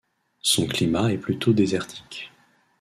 Son climat est plutôt désertique.